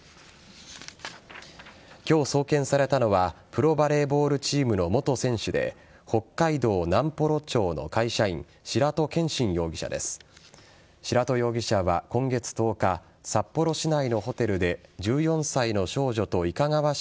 今日送検されたのはプロバレーボールチームの元選手で北海道南幌町の会社員白戸謙伸容疑者です。